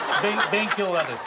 勉強がです。